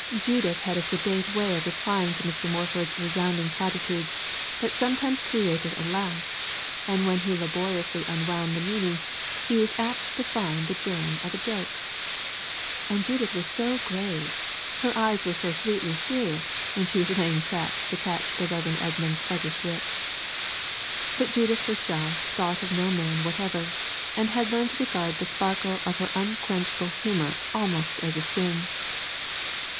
Judith had a sedate way of replying to Morford's resounding platitudes that sometimes created a laugh, and when he laboriously unwound the meaning, he was apt to find the germ of a joke; and Judith was so grave her eyes were so sweetly serious when she was laying traps to catch the Rev. Edmund's sluggish wits. But Judith herself thought of no man whatever, and had learned to regard the sparkle of her unquenchable humor almost as a sin.